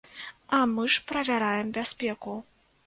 А мы ж правяраем бяспеку.